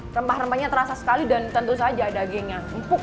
tempatnya terasa sekali dan tentu saja dagingnya empuk